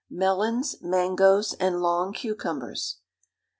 Melons, Mangoes and Long Cucumbers.